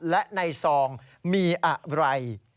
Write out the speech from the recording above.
และในซองมีอะไร